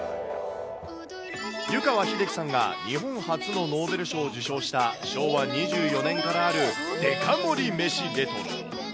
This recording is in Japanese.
湯川秀樹さんが日本初のノーベル賞を受賞した昭和２４年からあるデカ盛り飯レトロ。